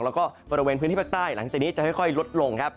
แล้วก็บริเวณพื้นที่ภาคใต้หลังจากนี้จะค่อยลดลงครับ